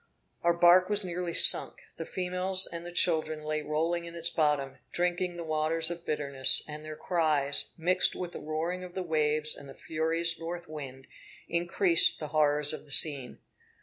Our bark was nearly sunk; the females and the children lay rolling in its bottom, drinking the waters of bitterness; and their cries, mixed with the roaring of the waves and the furious north wind, increased the horrors of the scene.